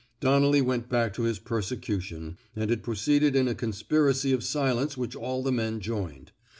Donnelly went back to his persecution, and it proceeded in a conspiracy of silence which all the men joined.